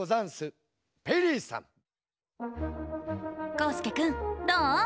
こうすけくんどう？